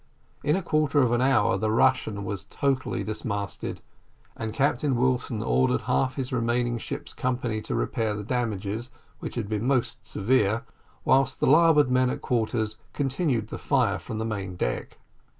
In a quarter of an hour the Russian was totally dismasted, and Captain Wilson ordered half of his remaining ship's company to repair the damages, which had been most severe, whilst the larboard men at quarters continued the fire from the main deck.